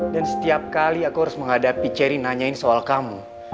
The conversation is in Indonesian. dan setiap kali aku harus menghadapi cherry nanyain soal kamu